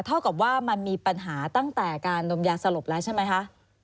เท่ากับว่ามันมีปัญหาตั้งแต่การนมยาสลบแล้วใช่ไหมคะ